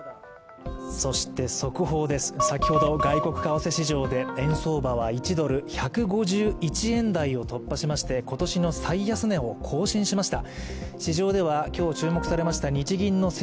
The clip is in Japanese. そして速報です、先ほど外国為替市場で円相場は１ドル＝１５１円台を突破しまして今年の最安値を更新しました。